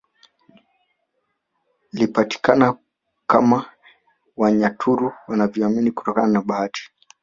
Lipatikana kama Wanyaturu wanaovyoamini hutokana na bahati